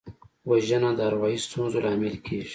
وژنه د اروايي ستونزو لامل کېږي